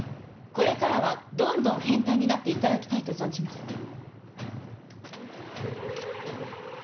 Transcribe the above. これからはどんどん変態になっていただきたいと存じます